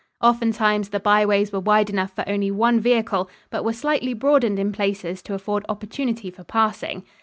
Oftentimes the byways were wide enough for only one vehicle, but were slightly broadened in places to afford opportunity for passing.